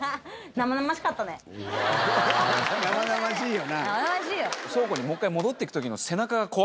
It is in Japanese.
生々しいよ。